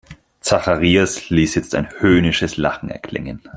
Zacharias ließ jetzt ein höhnisches Lachen erklingen.